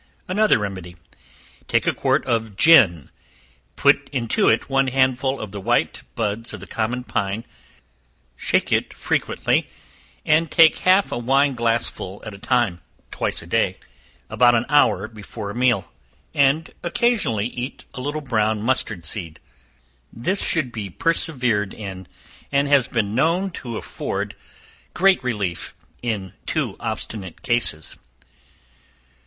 Another Remedy. Take a quart of gin, put into it one handful of the white buds of the common pine; shake it frequently, and take half a wine glassful at a time, twice a day, about an hour before a meal, and occasionally eat a little brown mustard seed; this should be persevered in, and has been known to afford great relief, in two obstinate cases.